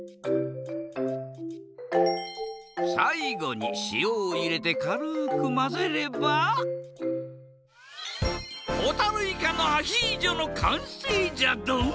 さいごにしおをいれてかるくまぜればほたるいかのアヒージョのかんせいじゃドン。